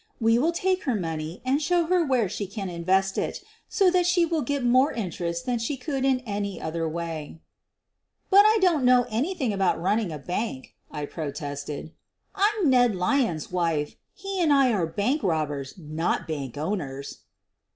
We will take her money and show her where she can invest it so that she will get more interest than she could in any other way." "But I don't know anything about running a bank, '' I protested. " I 'm Ned Lyons 's wife — he and I are bank robbers, not bank owners."